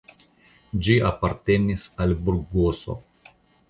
Ĝi apartenis al Burgoso.